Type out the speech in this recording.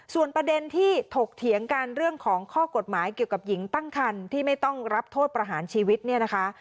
ส่วนประเด็นที่ถกเถียงกันเรื่องของข้อกฎหมายเกี่ยวกับหญิงตั้งคันที่ไม่ต้องรับโทษประหารชีวิตเนี่ยนะคะ